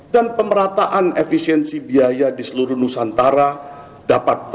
dan pemerataan efisiensi biaya di seluruh nusantara dapat tercapai